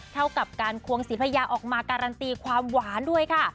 เท่ากับการควงศรีพญาออกมาการันตีความหวานด้วยค่ะ